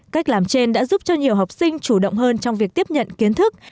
cách làm trên đã giúp cho nhiều học sinh chủ động hơn trong việc tiếp nhận kiến thức